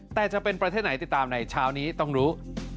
แต่จะเป็นประเทศไหนติดตามในเช้านี้ต้องรู้